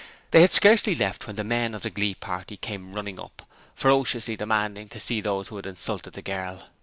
They had scarcely left when the men of the glee party came running up, furiously demanding to see those who had insulted the girl.